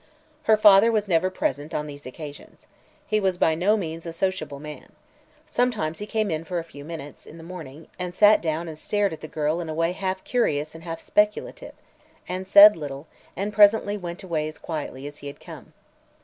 Her father was never present on these occasions. He was by no means a sociable man. Sometimes he came in for a few minutes, in the morning, and sat down and stared at the girl in a way half curious and half speculative, and said little, and presently went away as quietly as he had come.